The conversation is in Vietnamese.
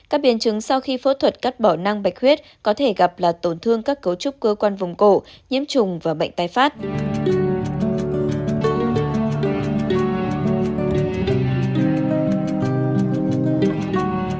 các biến chứng sau khi phẫu thuật cắt bỏ năng bạch huyết có thể gặp là tổn thương các cấu trúc cơ quan vùng cổ nhiễm trùng và bệnh tay phát